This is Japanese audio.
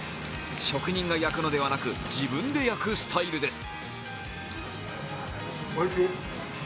職人が焼くのではなく、自分が焼くスタイルです。